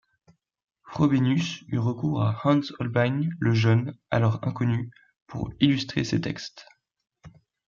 Frobenius eut recours à Hans Holbein le Jeune, alors inconnu, pour illustrer ses textes.